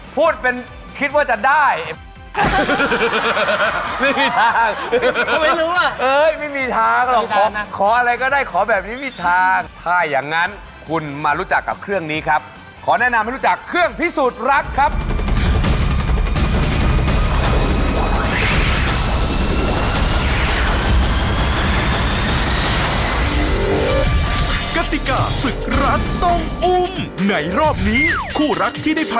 คิดว่าจะได้ไม่มีทางหรอกขออะไรก็ได้ขอแบบนี้มีทางถ้าอย่างนั้นคุณมารู้จักกับเครื่องนี้ครับขอแนะนำให้รู้จักเครื่องพิสูจน์รักครับ